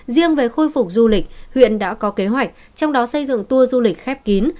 riêng về khôi phục du lịch huyện đã có kế hoạch trong đó xây dựng tour du lịch khép kín